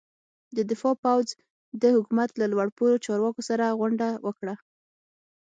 د دفاع پوځ د حکومت له لوړ پوړو چارواکو سره غونډه وکړه.